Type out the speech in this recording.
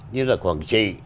như là quảng trị